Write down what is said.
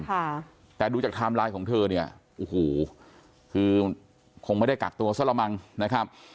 ค่ะแต่ดูจากไทม์ไลน์ของเธอเนี่ยโอ้โหคือคงไม่ได้กักตัวซะละมั้งนะครับ